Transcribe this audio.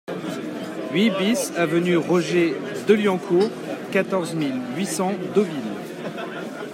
huit BIS avenue Roger Deliencourt, quatorze mille huit cents Deauville